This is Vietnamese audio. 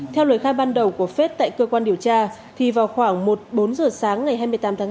theo lời khai ban đầu của phết tại cơ quan điều tra thì vào khoảng một bốn giờ sáng ngày hai mươi tám tháng năm